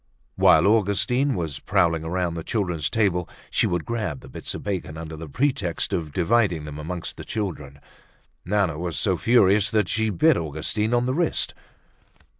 While Augustine was prowling around the children's table, she would grab the bits of bacon under the pretext of dividing them amongst the children. Nana was so furious that she bit Augustine on the wrist.